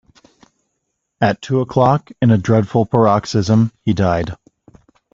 At two o’clock, in a dreadful paroxysm, he died.